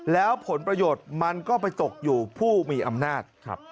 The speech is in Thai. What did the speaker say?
แล้วผลประโยชน์มันก็ไปตกอยู่ผู้มีอำนาจ